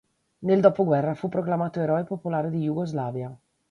Nel dopoguerra fu proclamato eroe popolare di Jugoslavia.